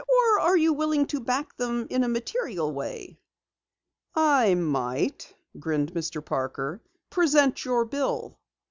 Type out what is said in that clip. Or are you willing to back them in a material way?" "I might," grinned Mr. Parker. "Present your bill."